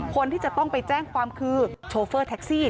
คนที่จะต้องไปแจ้งความคือโชเฟอร์แท็กซี่